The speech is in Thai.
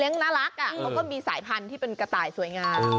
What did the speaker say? เรียกน่ารักก็มีสายพันธุ์ที่เป็นกะตายสวยงาม